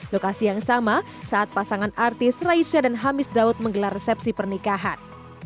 lokasi yang sama saat pasangan artis raisya dan hamis daud menggelar resepsi pernikahan